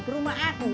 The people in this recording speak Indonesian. ke rumah aku